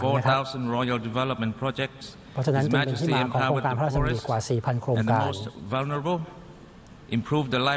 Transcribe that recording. เพราะฉะนั้นถึงเป็นที่มากของโครงการพระราชน์ธรรมดี